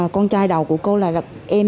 con trai đầu của cô là em